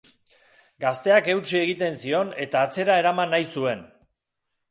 Gazteak eutsi egiten zion eta atzera eraman nahi zuen.